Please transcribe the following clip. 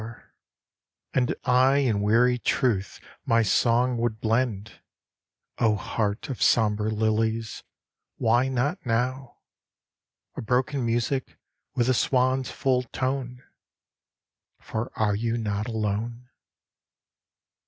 21 IN THE NET OF THE STARS And I in weary truth my song would blend, O heart of sombre lilies, why not now ? A broken music, with the swan's full tone ; For are you not alone